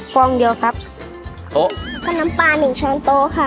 ฟองเดียวครับโต๊ะน้ำปลาหนึ่งช้อนโต๊ะค่ะ